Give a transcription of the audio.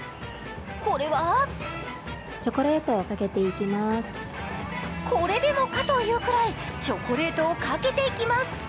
これはこれでもかというくらいチョコレートをかけていきます。